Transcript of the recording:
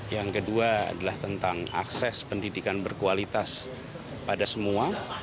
yang kedua adalah tentang akses pendidikan berkualitas pada semua